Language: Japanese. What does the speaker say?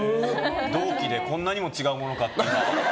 同期でこんなにも違うものかって。